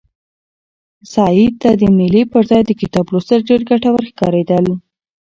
سعید ته د مېلې پر ځای د کتاب لوستل ډېر ګټور ښکارېدل.